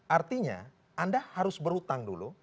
artinya anda harus berhutang dulu